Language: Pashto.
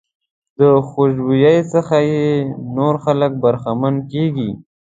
د خوشبويۍ څخه یې نور خلک برخمن کېږي.